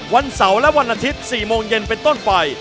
วันเสาร์และวันอาทิตย์๔โมงเย็นเป็นต้นไป